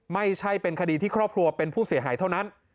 ไม่ใช่เป็นคดีที่ครอบครัวเป็นผู้เสียหายเท่านั้น